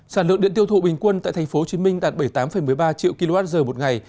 sản lượng điện tiêu thụ bình quân tại tp hcm đạt bảy mươi tám một mươi ba triệu kwh một ngày